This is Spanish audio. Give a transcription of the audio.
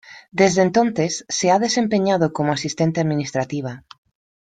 Desde entonces se ha desempeñado como asistente administrativa.